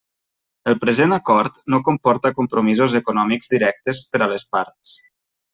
El present acord no comporta compromisos econòmics directes per a les parts.